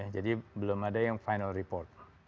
jadi belum ada yang final report